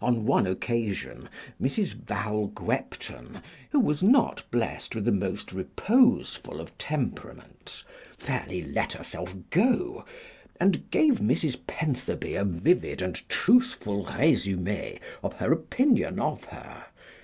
On one occasion Mrs. Val Gwepton, who was not blessed with the most reposeful of temperaments, fairly let herself go, and gave Mrs. Pentherby a vivid and truthful résumé of her opinion of her.